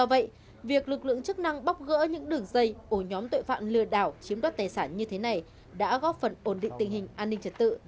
vậy việc lực lượng chức năng bóc gỡ những đường dây ổ nhóm tội phạm lừa đảo chiếm đoạt tài sản như thế này đã góp phần ổn định tình hình an ninh trật tự